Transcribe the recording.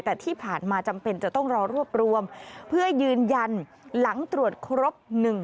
แต่ที่ผ่านมาจำเป็นจะต้องรอรวบรวมเพื่อยืนยันหลังตรวจครบ